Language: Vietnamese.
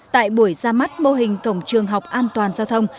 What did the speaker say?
tại buổi ra mắt mô hình cổng trường học an toàn giao thông